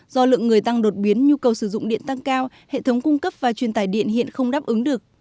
do lượng người tăng đột biến nhu cầu sử dụng điện tăng cao hệ thống cung cấp và truyền tải điện hiện không đáp ứng được